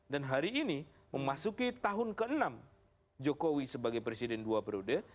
dan hari ini memasuki tahun ke enam jokowi sebagai presiden dua perude